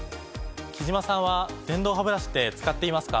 貴島さんは電動ハブラシって使っていますか？